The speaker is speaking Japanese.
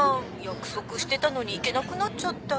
約束してたのに行けなくなっちゃった。